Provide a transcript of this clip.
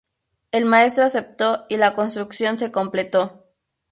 El maestro aceptó y la construcción se completó.